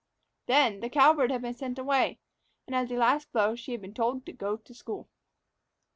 Then, the cowbird had been sent away; and, as a last blow, she had been told to go to school.